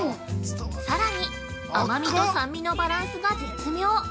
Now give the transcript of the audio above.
◆さらに、甘みと酸味のバランスが絶妙！